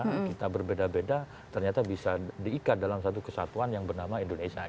nah kita berbeda beda ternyata bisa diikat dalam satu kesatuan yang bernama indonesia